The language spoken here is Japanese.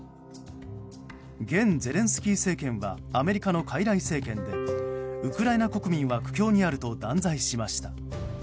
現ゼレンスキー政権はアメリカの傀儡政権でウクライナ国民は苦境にあると断罪しました。